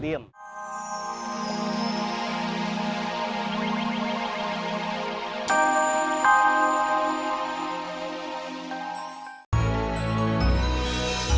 di lo kayak siang